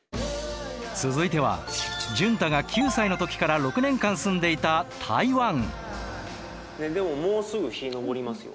続いては淳太が９歳の時から６年間住んでいたでももうすぐ日昇りますよ。